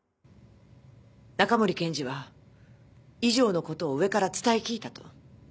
中森検事は以上のことを上から伝え聞いたと。